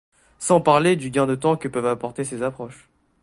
Sans parler du gain de temps que peuvent apporter ces approches.